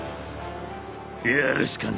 やるしかねえな。